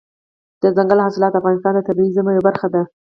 دځنګل حاصلات د افغانستان د طبیعي زیرمو یوه برخه ده.